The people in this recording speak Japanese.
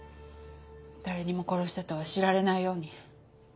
誰にも殺したとは知られないように。